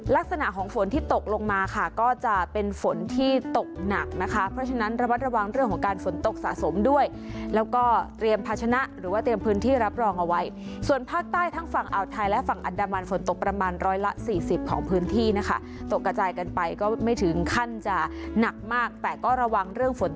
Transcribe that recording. ลักษณะของฝนที่ตกลงมาค่ะก็จะเป็นฝนที่ตกหนักนะคะเพราะฉะนั้นระมัดระวังเรื่องของการฝนตกสะสมด้วยแล้วก็เตรียมภาชนะหรือว่าเตรียมพื้นที่รับรองเอาไว้ส่วนภาคใต้ทั้งฝั่งอ่าวไทยและฝั่งอันดามันฝนตกประมาณร้อยละสี่สิบของพื้นที่นะคะตกกระจายกันไปก็ไม่ถึงขั้นจะหนักมากแต่ก็ระวังเรื่องฝน